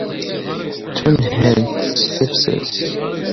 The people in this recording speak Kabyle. Ttwanhaṛent s tefses.